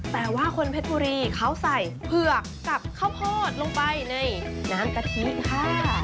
แต่ว่าคนเพชรบุรีเขาใส่เผือกกับข้าวโพดลงไปในน้ำกะทิค่ะ